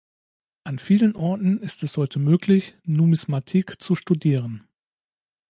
An vielen Orten ist es heute möglich, Numismatik zu studieren.